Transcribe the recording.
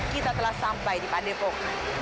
kita telah sampai di padepok